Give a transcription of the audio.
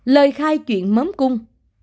lời khai chuyện mấm cung